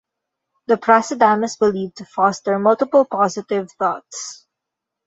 The prasadam is believed to foster multiple positive thoughts.